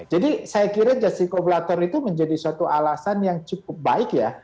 saya kira justice collaborator itu menjadi suatu alasan yang cukup baik ya